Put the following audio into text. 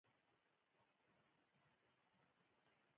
باسواده ښځې په دولتي ادارو کې کار کولای شي.